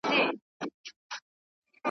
له کوم خیرات څخه به لوږه د چړي سړوو ,